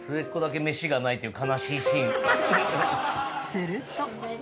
［すると］